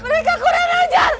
mereka kurang ajar